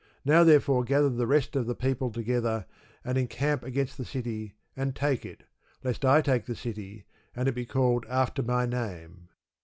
Now therefore gather the rest of the people together, and encamp against the city, and take it: lest I take the city, and it be called after my name.